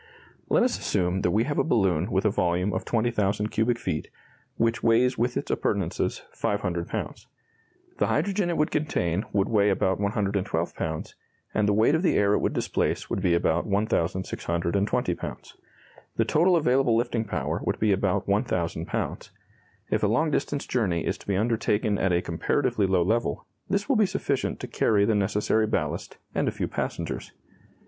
Let us assume that we have a balloon with a volume of 20,000 cubic feet, which weighs with its appurtenances 500 pounds. The hydrogen it would contain would weigh about 112 pounds, and the weight of the air it would displace would be about 1,620 pounds. The total available lifting power would be about 1,000 pounds. If a long distance journey is to be undertaken at a comparatively low level, this will be sufficient to carry the necessary ballast, and a few passengers.